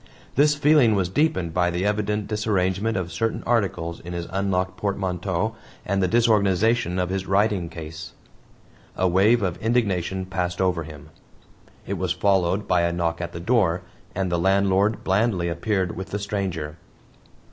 This feeling was deepened by the evident disarrangement of certain articles in his unlocked portmanteau and the disorganization of his writing case. A wave of indignation passed over him. It was followed by a knock at the door, and the landlord blandly appeared with the stranger.